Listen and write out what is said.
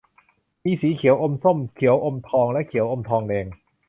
มีสีเขียวอมส้ม เขียวอมทอง และเขียวอมทองแดง